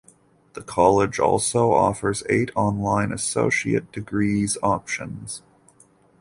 The college also offers eight online associate degrees options.